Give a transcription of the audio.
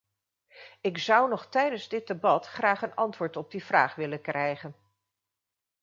Ik zou nog tijdens dit debat graag een antwoord op die vraag willen krijgen.